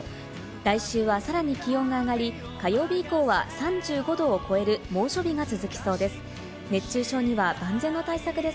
来週はさらに気温が上がり、火曜日以降は３５度を超える猛暑あ！